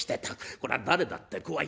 こりゃ誰だって怖い。